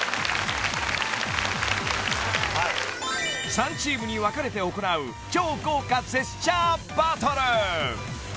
［３チームに分かれて行う超豪華ジェスチャーバトル］